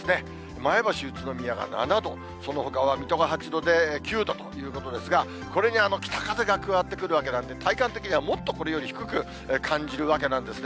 前橋、宇都宮が７度、そのほかは水戸が８度で、９度ということですが、これに北風が加わってくるわけなんで、体感的にはもっとこれより低く感じるわけなんですね。